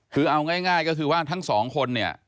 คือเอาง่ายก็คือว่าทั้งสองคนเนี่ย